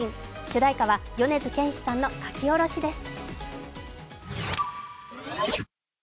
主題歌は米津玄師さんの書き下ろしです。